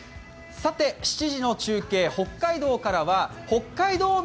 さて、７時の中継、北海道からは北海道